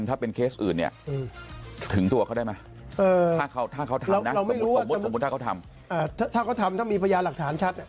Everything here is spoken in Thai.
ถ้าเขาทำถ้ามีพยาหลักฐานชัด